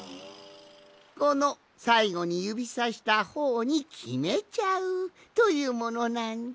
このさいごにゆびさしたほうにきめちゃう！というものなんじゃ。